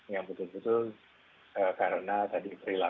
yang betul betul karena tadi perilaku